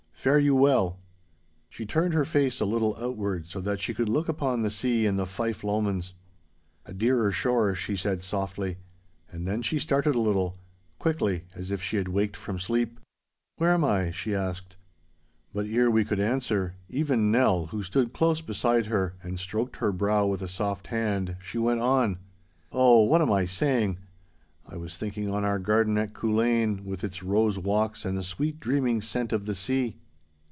Fare you well.' She turned her face a little outward so that she could look upon the sea and the Fife Lomonds. 'A dearer shore,' she said, softly, and then she started a little, quickly as if she had waked from sleep. 'Where am I?' she asked. But ere we could answer—even Nell, who stood close beside her and stroked her brow with a soft hand, she went on,— 'Oh, what am I saying? I was thinking on our garden at Culzean, with its rose walks and the sweet dreaming scent of the sea?